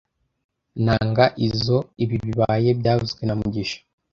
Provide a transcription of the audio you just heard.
Nanga izoo ibi bibaye byavuzwe na mugisha